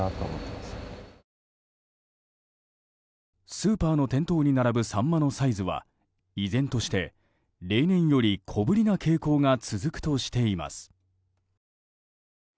スーパーの店頭に並ぶサンマのサイズは依然として例年より小ぶりな傾向が続くとしています。